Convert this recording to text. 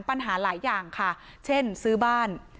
ปัญหาหลายอย่างค่ะเช่นซื้อบ้าน